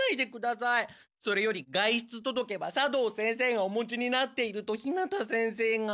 それより外出届は斜堂先生がお持ちになっていると日向先生が。